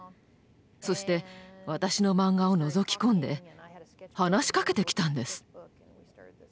そして私のマンガをのぞき込んで話しかけてきたんです。